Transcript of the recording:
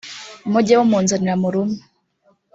mujye mumunzanira murume